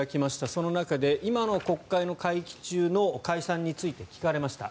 その中で今の国会の会期中の解散について聞かれました。